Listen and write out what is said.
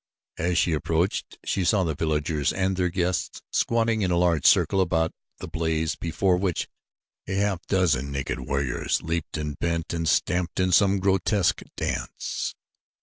As she approached she saw the villagers and their guests squatting in a large circle about the blaze before which a half dozen naked warriors leaped and bent and stamped in some grotesque dance.